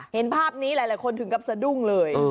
เห็นภาพนี้หลายคนถึงกับสะดุ้งเลย